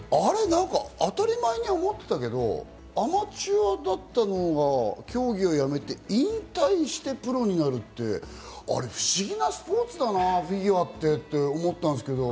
なんか当たり前に思ってたけど、アマチュアだったのが競技をやめて、引退してプロになるってあれ不思議なスポーツだな、フィギュアってって思ったんですけど。